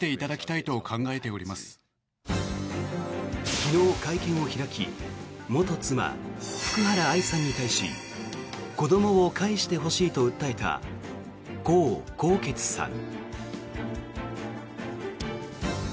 昨日、会見を開き元妻・福原愛さんに対し子どもを返してほしいと訴えたコウ・コウケツさん。